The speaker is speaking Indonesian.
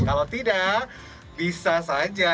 kalau tidak bisa saja